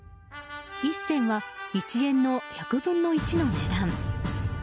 １銭は１円の１００分の１の値段。